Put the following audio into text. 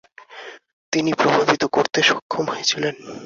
তিনি প্রভাবিত করতে সক্ষম হয়েছিলেন।